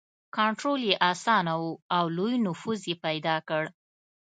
کنټرول یې اسانه و او لوی نفوس یې پیدا کړ.